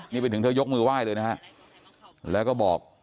นี่ไปถึงเธอยกมือไหว้เลยนะฮะแล้วก็บอก